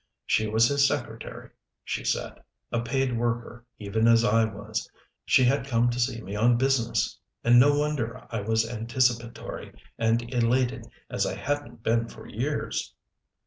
She was his secretary, she said a paid worker even as I was. She had come to see me on business and no wonder I was anticipatory and elated as I hadn't been for years!